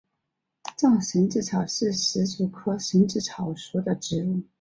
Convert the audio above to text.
藏蝇子草是石竹科蝇子草属的植物。